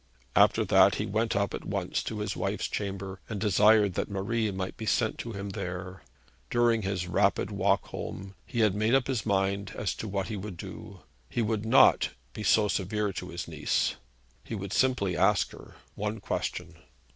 After that he went up at once to his wife's chamber, and desired that Marie might be sent to him there. During his rapid walk home he had made up his mind as to what he would do. He would not be severe to his niece. He would simply ask her one question.